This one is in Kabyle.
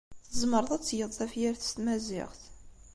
Tzemreḍ ad tgeḍ tafyirt s tmaziɣt.